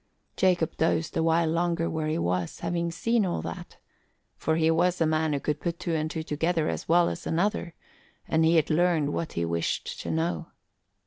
Jacob dozed a while longer where he was, having seen all that; for he was a man who could put two and two together as well as another, and he had learned what he wished to know.